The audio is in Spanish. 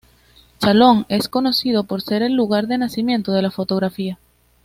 Chalon es conocido por ser el lugar de nacimiento de la fotografía.